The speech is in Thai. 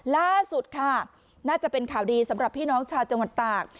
ล่าสุดค่ะน่าจะเป็นข่าวดีสำหรับพี่น้องชาวจังหวัดตาก